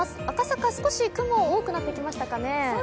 赤坂、少し雲が多くなってきましたかね。